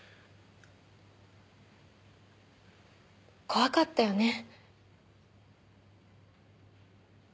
怖かったよね。